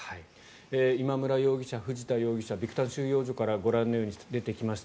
今村容疑者、藤田容疑者ビクタン収容所からご覧のように出てきました。